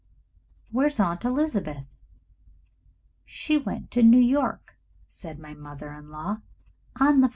Where's Aunt Elizabeth?" "She went to New York," said my mother in law, "on the 5.